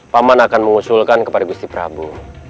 paman akan mengusulkan kepada gusti prabowo